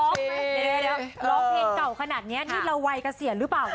ไปเลี้ยวเดี๋ยวร้องเพลงเก่าขนาดนี้ที่เราวายกระเสียนรึเปล่า